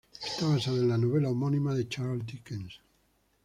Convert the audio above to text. Está basada en la novela homónima de Charles Dickens.